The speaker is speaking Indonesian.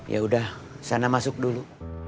yaudah sana masuk dulu